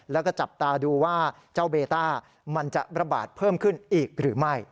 แล้วก็จับตาดูว่าเจ้าเบต้ามันจะระบาดเพิ่มขึ้นอีกหรือไม่